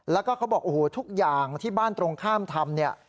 แล้วก็เขาบอกโอ้โหทุกอย่างที่บ้านตรงข้ามทำเนี่ย